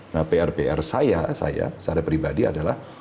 nah pr pr saya saya secara pribadi adalah